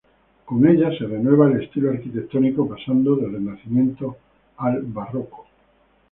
Con ella se renueva el estilo arquitectónico, pasando del Renacimiento al Barroco.